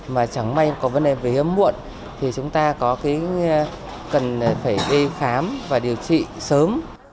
mà chẳng may có vấn đề về hiếm muộn thì chúng ta cần phải đi khám và điều trị sớm